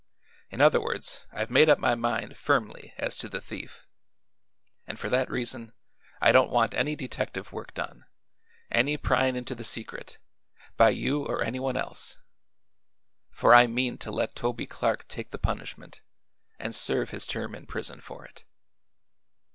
In other words, I've made up my mind, firmly, as to the thief, and for that reason I don't want any detective work done any pryin' into the secret by you or anyone else; for I mean to let Toby Clark take the punishment and serve his term in prison for it."